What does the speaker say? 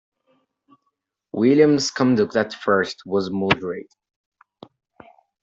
William’s conduct at first was moderate.